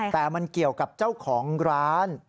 แต่มันเกี่ยวกับเจ้าของร้าน